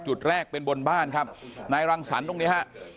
จุดแรกเป็นบนบ้านครับนายรังสรรค์ตรงนี้ฮะ